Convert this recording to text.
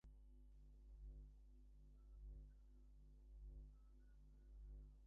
Meanwhile, the Spanish had different reasons for wanting to find the colony.